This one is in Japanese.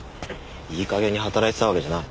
いい加減に働いてたわけじゃない。